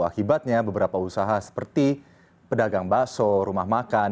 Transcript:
akibatnya beberapa usaha seperti pedagang bakso rumah makan